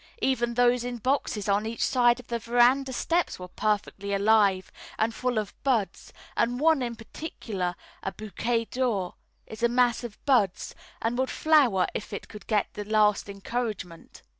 Even those in boxes on each side of the verandah steps were perfectly alive and full of buds, and one in particular, a Bouquet d'Or, is a mass of buds, and would flower if it could get the least encouragement.